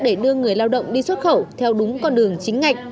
để đưa người lao động đi xuất khẩu theo đúng con đường chính ngạch